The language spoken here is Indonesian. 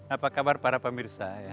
apa kabar para pemirsa